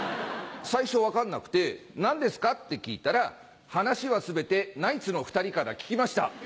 最初分かんなくて「何ですか？」って聞いたら「話は全てナイツの２人から聞きました。